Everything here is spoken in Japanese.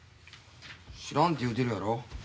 知らんて言うてるやろ。